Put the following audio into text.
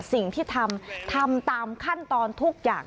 สิ่งที่ทำทำตามขั้นตอนทุกอย่าง